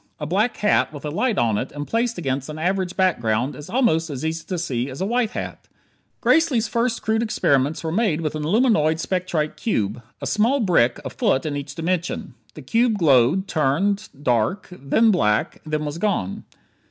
A black hat with a light on it and placed against an average background is almost as easy to see as a white hat. Gracely's first crude experiments were made with an aluminoid spectrite cube a small brick a foot in each dimension. The cube glowed, turned, dark, then black, then was gone.